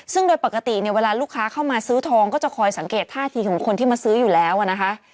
ซึ่งโดยปกติเนี่ยเวลาลูกค้าเข้ามาซื้อทองก็จะคอยสังเกตท่าทีของคนที่มาซื้ออยู่แล้วนะคะ